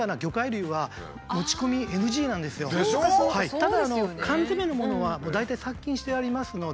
ただ缶詰のものは大体殺菌してありますので。